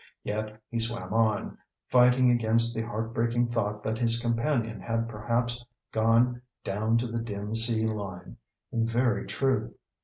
Yet he swam on, fighting against the heartbreaking thought that his companion had perhaps gone "down to the dim sea line" in very truth.